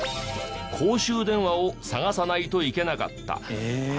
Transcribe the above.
公衆電話を探さないといけなかった。